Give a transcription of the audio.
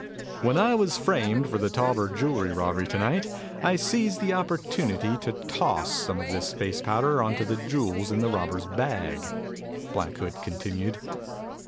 "When I was framed for the Tauber jewel robbery tonight, I seized the opportunity to toss some of this face powder onto the jewels in the robbers' bag," Black Hood continued.